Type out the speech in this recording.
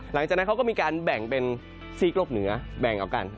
หลังจากนั้นเขาก็มีการแบ่งเป็นซีกโลกเหนือแบ่งออกกัน